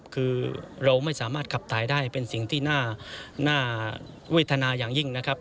คือเราไม่สามารถขับถ่ายได้เป็นสิ่งที่น่าเวทนาอย่างยิ่งนะครับ